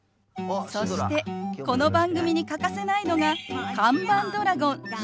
そしてこの番組に欠かせないのが看板ドラゴンシュドラ。